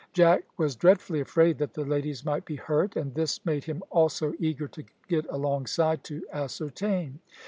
Jack was dreadfully afraid that the ladies might be hurt, and this made him also eager to get alongside to ascertain.